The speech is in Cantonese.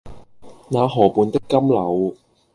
那河畔的金柳